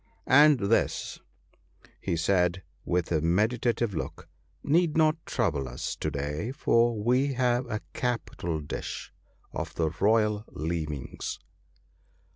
And this/ he said, with a meditative look, 'need not trouble us to day ; for we have a capital dish of the royal leavings.'